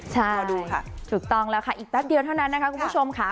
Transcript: รอดูค่ะถูกต้องแล้วค่ะอีกแป๊บเดียวเท่านั้นนะคะคุณผู้ชมค่ะ